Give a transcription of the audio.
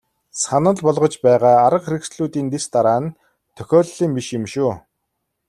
Санал болгож байгаа арга хэрэгслүүдийн дэс дараа нь тохиолдлын биш юм шүү.